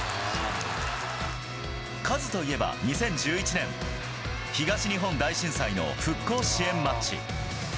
カズといえば、２０１１年、東日本大震災の復興支援マッチ。